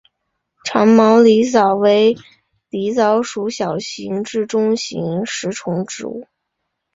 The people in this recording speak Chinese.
长毛狸藻为狸藻属小型至中型食虫植物。